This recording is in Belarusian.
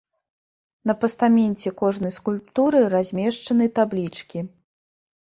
На пастаменце кожнай скульптуры размешчаны таблічкі.